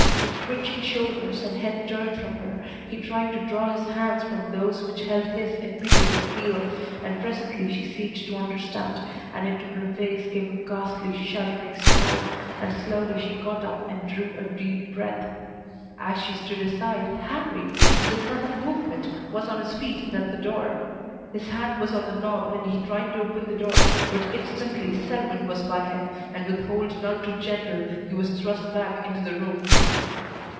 With twitching shoulders and head turned from her he tried to draw his hands from those which held his in piteous appeal, and presently she seemed to understand, and into her face came a ghastly, shuddering smile, and slowly she got up and drew a deep breath. As she stood aside Harrie, with a sudden movement, was on his feet and at the door. His hand was on the knob and he tried to open the door, but instantly Selwyn was by him, and with hold none too gentle he was thrust back into the room.